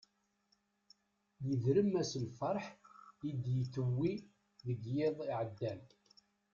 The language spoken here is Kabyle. Yedrem-as lferḥ i d-tewwi deg yiḍ iɛeddan.